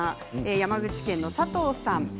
山口県の方からです